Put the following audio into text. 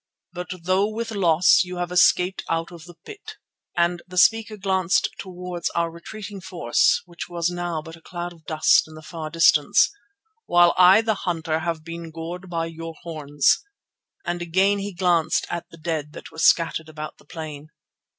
But, though with loss, you have escaped out of the pit," and the speaker glanced towards our retreating force which was now but a cloud of dust in the far distance, "while I the hunter have been gored by your horns," and again he glanced at the dead that were scattered about the plain.